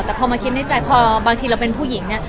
แต่พอมาคิดในใจพอบางทีเราเป็นผู้หญิงเนี่ย